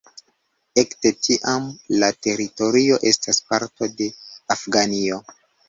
Ekde tiam la teritorio estas parto de Afganio.